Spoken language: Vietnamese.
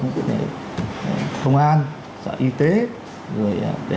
với những vấn đề công an sở y tế rồi để